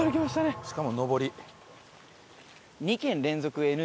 しかも上り。